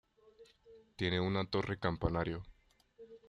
Tiene una torre campanario.